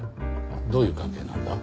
どういう関係なんだ？